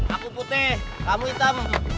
aku putih kamu hitam